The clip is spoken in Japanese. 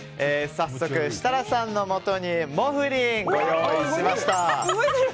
早速、設楽さんのもとにＭｏｆｌｉｎ、ご用意しました。